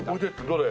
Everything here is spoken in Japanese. どれ？